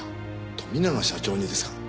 富永社長にですか？